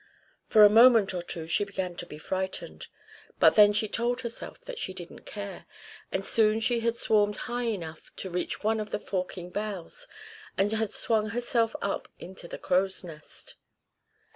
For a moment or two she began to be frightened. But then she told herself that she didn't care; and soon she had swarmed high enough to reach one of the forking boughs, and had swung herself up into the crow's nest.